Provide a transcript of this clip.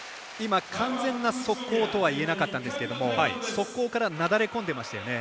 完全な速攻とはいえなかったんですけど速攻からなだれ込んでいましたよね。